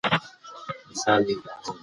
څېړنه د مغز ودې تمرکز کوي.